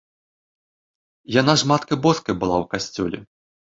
Яна ж маткай боскай была ў касцёле.